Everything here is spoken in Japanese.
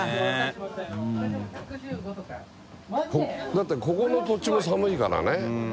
だってここの土地も寒いからね。